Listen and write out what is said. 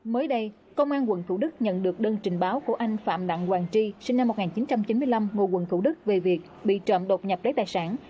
mới đây công an quận thủ đức nhận được đơn trình báo của anh phạm đặng hoàng tri sinh năm một nghìn chín trăm chín mươi năm ngụ quận thủ đức về việc bị trộm đột nhập lấy tài sản